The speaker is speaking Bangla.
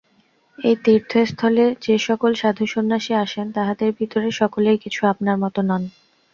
এই তীর্থস্থলে যে-সকল সাধু-সন্ন্যাসী আসেন, তাঁহাদের ভিতরে সকলেই কিছু আপনার মত নন।